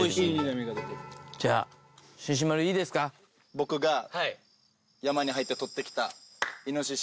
僕が山に入って捕ってきたイノシシ。